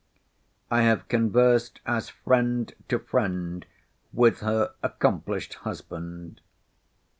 I have conversed as friend to friend with her accomplished husband.